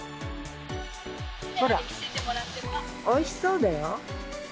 ほら、おいしそうだよ。